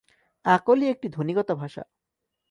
আকোলি একটি ধ্বনিগত ভাষা।